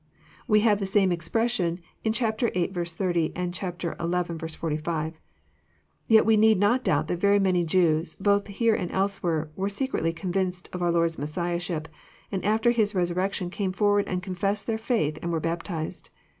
We have the same expression viii. 30 and xi. 45. Tet we need not doubt that very many Jews, both here and elsewhere, Were secretly convinced of our Lord's Messiahship, and after His resurrection came forward and confessed their faith, and were baptized.